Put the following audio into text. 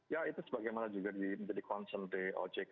ya itu sebagaimana juga di concentrate ojk ya aturan ojk